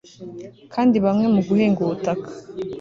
kandi bamwe mu guhinga ubutaka